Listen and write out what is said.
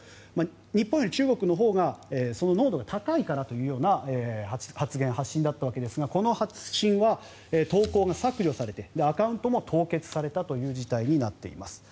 日本より中国のほうがその濃度が高いからというような発言、発信だったわけですがこの発信は投稿が削除されてアカウントも凍結されたという事態になっています。